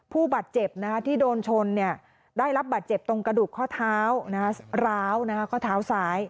ผู้บาดเจ็บที่โดนชนได้รับบัตรเจ็บตรงกระดูกข้อเท้าร้าวข้อเท้าซ้าย